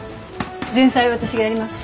前菜は私がやります。